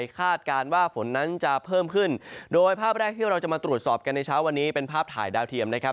คาดการณ์ว่าฝนนั้นจะเพิ่มขึ้นโดยภาพแรกที่เราจะมาตรวจสอบกันในเช้าวันนี้เป็นภาพถ่ายดาวเทียมนะครับ